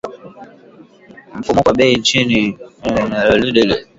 Mfumuko wa Bei Nchini Uganda ambako usambazaji mafuta umevurugika tangu Januari